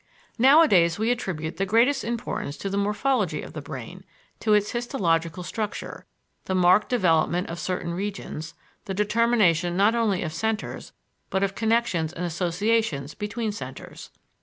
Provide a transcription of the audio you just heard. Nowadays we attribute the greatest importance to the morphology of the brain, to its histological structure, the marked development of certain regions, the determination not only of centers but of connections and associations between centers.